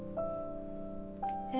え？